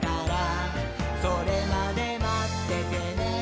「それまでまっててねー！」